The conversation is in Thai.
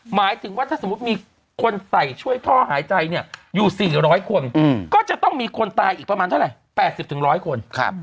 หมายถึงว่าถ้าสมมุติมีคนใส่ช่วยท่อหายใจเนี่ยอยู่๔๐๐คนก็จะต้องมีคนตายอีกประมาณเท่าไหร่๘๐๑๐๐คน